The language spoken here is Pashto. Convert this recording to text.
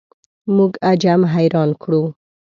موږ عجم حیران کړو.